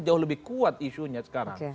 jauh lebih kuat isunya sekarang